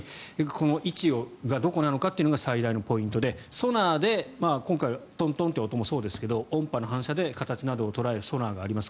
位置がどこなのかが最大のポイントでソナーで今回はトントンという音もそうですが音波の反射で形などを捉えるソナーがあります。